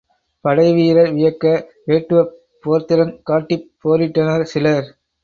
படைவீரர் வியக்க, வேட்டுவப் போர்த்திறங் காட்டிப் போரிட்டனர் சிலர்.